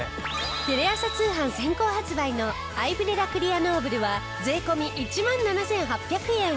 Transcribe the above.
テレ朝通販先行発売のアイブレラクリアノーブルは税込１万７８００円。